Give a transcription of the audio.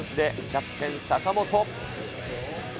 キャプテン、坂本。